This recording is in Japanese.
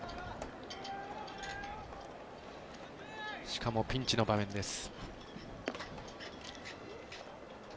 しかもピンチの場面です。